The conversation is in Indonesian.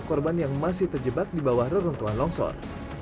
korban yang masih terjebak di bawah reruntuhan longsor